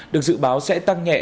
được dự báo sẽ tăng nhẹ